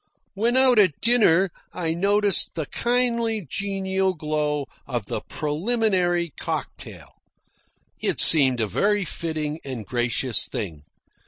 When out at dinner I noticed the kindly, genial glow of the preliminary cocktail. It seemed a very fitting and gracious thing.